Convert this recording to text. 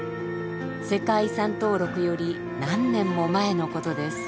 世界遺産登録より何年も前のことです。